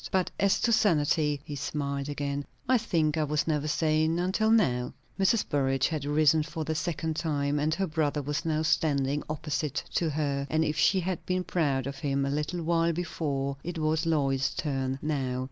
But as to sanity," he smiled again, "I think I was never sane until now." Mrs. Burrage had risen for the second time, and her brother was now standing opposite to her; and if she had been proud of him a little while before, it was Lois's turn now.